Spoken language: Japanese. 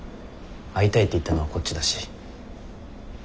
会いたいって言ったのはこっちだし。